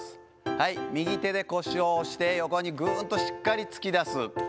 はい、右手で腰を押して、横にぐっとしっかり突き出す。